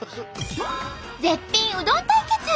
絶品うどん対決！